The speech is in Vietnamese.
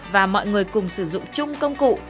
và mọi người cùng sử dụng chung công cụ